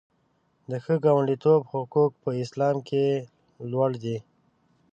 د ښه ګاونډیتوب حقوق په اسلام کې لوړ دي.